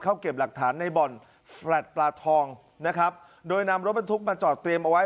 เก็บหลักฐานในบ่อนแฟลตปลาทองนะครับโดยนำรถบรรทุกมาจอดเตรียมเอาไว้